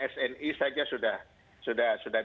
sni saja sudah